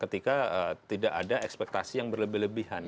ketika tidak ada ekspektasi yang berlebihan